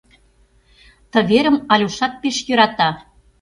Ты верым Альошат пеш йӧрата.